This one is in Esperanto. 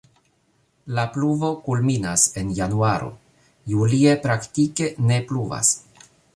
La pluvo kulminas en januaro, julie praktike ne pluvas.